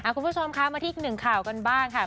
คุณผู้ชมคะมาที่อีกหนึ่งข่าวกันบ้างค่ะ